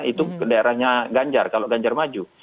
itu ke daerahnya ganjar kalau ganjar maju